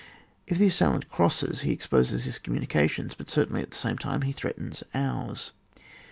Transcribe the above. If the assailant crosses, he exposes his communications ; but certainly, at the same time, he threatens ours.